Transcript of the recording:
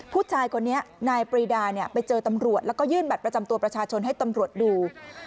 ผู้ชายคนนี้นายปรีดาไปเจอตำรวจแล้วก็ยื่นบัตรประจำตัวประชาชนให้ตำรวจดู